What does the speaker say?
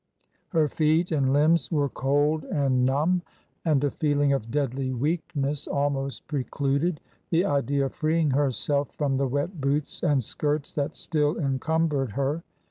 Her feet and limbs were cold and numb, and a feeling of deadly weakness almost precluded the idea of freeing herself from the wet boots and skirts that still encumbered her.